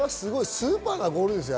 スーパーなゴールですよ。